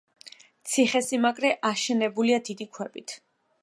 ციხესიმაგრე აშენებულია დიდი ქვებით.